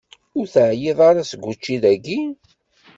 Ur teεyiḍ ara seg učči dayi?